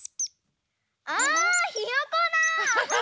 あひよこだ！